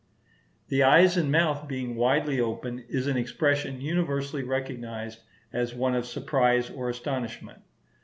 The eyes and mouth being widely open is an expression universally recognized as one of surprise or astonishment.